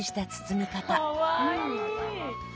かわいい。